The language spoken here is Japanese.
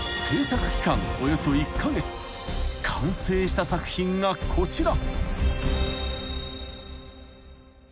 ［完成した作品がこちら］